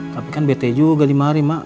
tapi kan bete juga lima hari mak